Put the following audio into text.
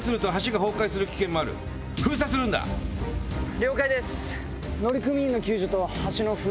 了解です。